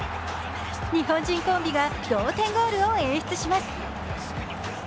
日本人コンビが同点ゴールを演出します。